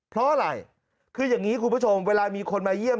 เพราะอะไรคืออย่างนี้คุณผู้ชมเวลามีคนมาเยี่ยม